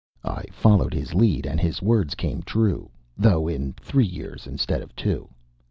I followed his lead, and his words came true, though in three years, instead of two.